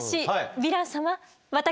ヴィラン様